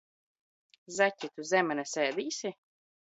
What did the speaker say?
Zaķi, tu zemenes ēdīsi?